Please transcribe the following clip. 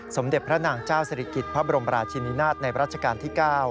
สมเด็จพระนางเจ้าศิริกิจพระบรมราชินินาศในรัชกาลที่๙